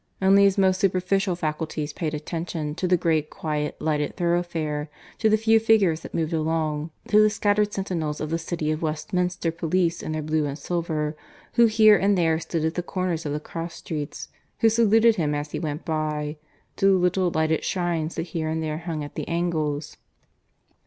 Only his most superficial faculties paid attention to the great quiet lighted thoroughfare, to the few figures that moved along, to the scattered sentinels of the City of Westminster police in their blue and silver, who here and there stood at the corners of the cross streets, who saluted him as he went by; to the little lighted shrines that here and there hung at the angles.